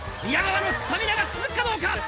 宮川のスタミナが続くかどうか！